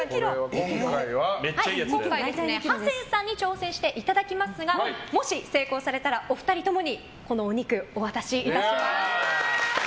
今回はハセンさんに挑戦していただきますがもし成功されたら、お二人ともにお肉をお渡しいたします。